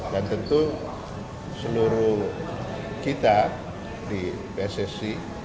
dan tentu seluruh kita di bcc